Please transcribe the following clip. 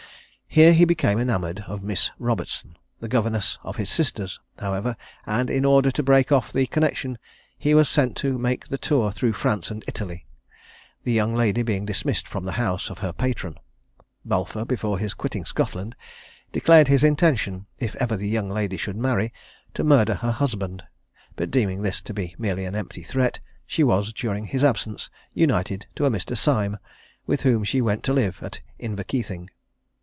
Here he became enamoured of Miss Robertson, the governess of his sisters, however; and in order to break off the connexion he was sent to make the tour through France and Italy, the young lady being dismissed from the house of her patron. Balfour, before his quitting Scotland, declared his intention, if ever the young lady should marry, to murder her husband; but deeming this to be merely an empty threat, she was, during his absence, united to a Mr. Syme, with whom she went to live at Inverkeithing.